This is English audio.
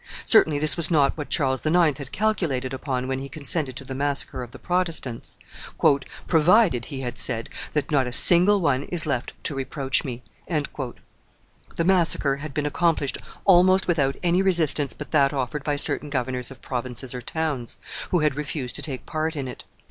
Certainly this was not what Charles IX. had calculated upon when he consented to the massacre of the Protestants. "Provided," he had said, "that not a single one is left to reproach me." The massacre had been accomplished almost without any resistance but that offered by certain governors of provinces or towns, who had refused to take part in it.